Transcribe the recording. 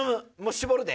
絞るで。